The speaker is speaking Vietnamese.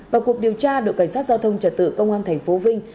vào cuộc điều tra đội cảnh sát giao thông trả tự công an tp vinh